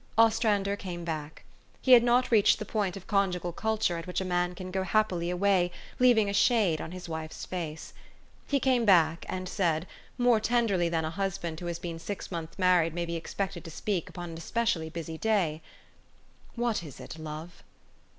Os trander came bade. He had not reached the point THE STORY OF AVIS. 259 of conjugal culture at which a man can go happily away, leaving a shade upon his wife's face. He came back, and said, more tenderly than a husband who has been six months' married may be expected to speak upon an especially busy day, "What is it, love?"